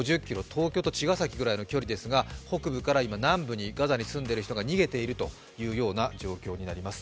東京と茅ヶ崎くらいの距離ですが、北部に住んでいる人が南部に逃げているというような状況になります。